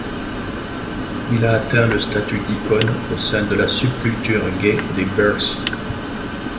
Il a atteint le statut d'icône au sein de la subculture gay des bears.